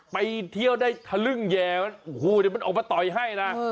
ไปเที่ยวได้ทะลึ่งแย่มันโอ้โหเดี๋ยวมันออกมาต่อยให้นะ